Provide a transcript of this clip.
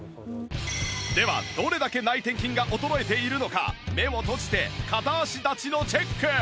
ではどれだけ内転筋が衰えているのか目を閉じて片足立ちのチェック